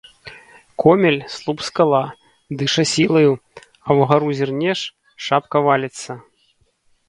Комель — слуп-скала, дыша сілаю, а ўгару зірнеш — шапка валіцца.